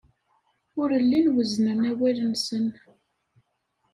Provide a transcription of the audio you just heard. Ur llin wezznen awal-nsen.